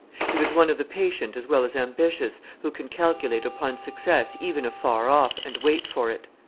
He was one of the patient as well as ambitious, who can calculate upon success, even afar off, and wait for it.